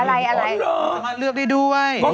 อะไรสามารถเลือกได้ด้วย